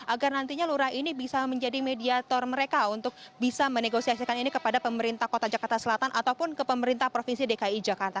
agar nantinya lurah ini bisa menjadi mediator mereka untuk bisa menegosiasikan ini kepada pemerintah kota jakarta selatan ataupun ke pemerintah provinsi dki jakarta